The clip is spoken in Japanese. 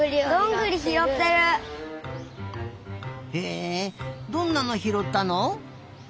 へえどんなのひろったの？